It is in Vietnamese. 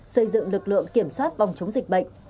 xây dựng lực lượng kiểm soát phòng chống dịch bệnh